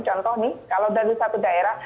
contoh nih kalau dari satu daerah